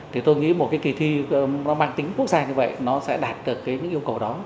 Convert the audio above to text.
thì tôi nghĩ một cái kỳ thi nó mang tính quốc gia như vậy nó sẽ đạt được những yêu cầu đó